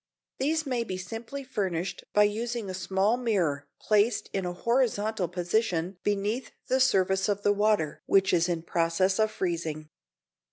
These may be simply furnished by using a small mirror placed in a horizontal position beneath the surface of the water which is in process of freezing.